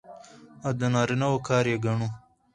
او د نارينه وو کار يې ګڼو.